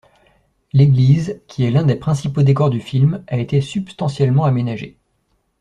L’église, qui est l’un des principaux décors du film, a été substantiellement aménagée.